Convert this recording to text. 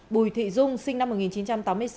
bùi thị dung sinh năm một nghìn chín trăm tám mươi sáu